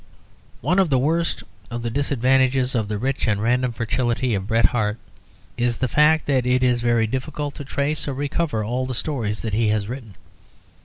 One of the worst of the disadvantages of the rich and random fertility of Bret Harte is the fact that it is very difficult to trace or recover all the stories that he has written.